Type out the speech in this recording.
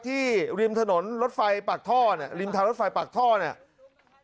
ริมถนนรถไฟปากท่อเนี่ยริมทางรถไฟปากท่อเนี่ย